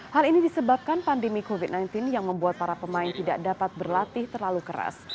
hal ini disebabkan pandemi covid sembilan belas yang membuat para pemain tidak dapat berlatih terlalu keras